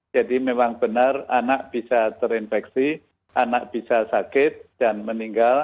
jadi memang benar anak bisa terinfeksi anak bisa sakit dan meninggal